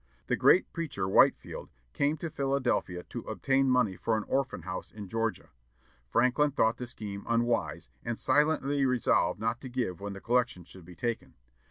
The great preacher Whitefield came to Philadelphia to obtain money for an orphan house in Georgia. Franklin thought the scheme unwise, and silently resolved not to give when the collection should be taken.